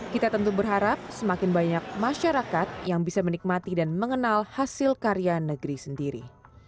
kita tentu berharap semakin banyak masyarakat yang bisa menikmati dan mengenal hasil karya negeri sendiri